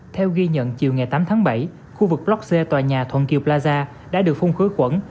theo ghi nhận chiều ngày tám tháng bảy khu vực block c tòa nhà thuận kiều plaza đã được phun khứa quẩn